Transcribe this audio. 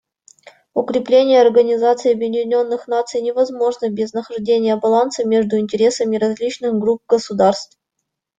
Укрепление Организации Объединенных Наций невозможно без нахождения баланса между интересами различных групп государств.